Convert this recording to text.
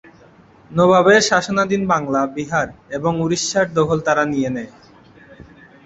নবাবের শাসনাধীন বাংলা, বিহার এবং উড়িষ্যার দখল তারা নিয়ে নেয়।